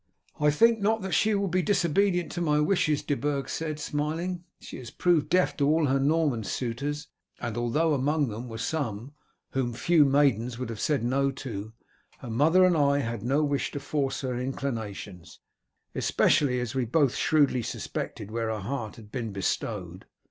"I think not that she will be disobedient to my wishes," De Burg said smiling. "She has proved deaf to all her Norman suitors, and although among them were some whom few maidens would have said no to, her mother and I had no wish to force her inclinations, especially as we both shrewdly suspected where her heart had been bestowed.